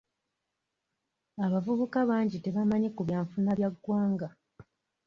Abavubuka bangi tebamanyi ku byanfuna bya ggwanga.